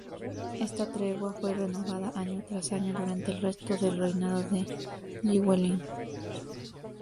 Esta tregua fue renovada año tras año durante el resto del reinado de Llywelyn.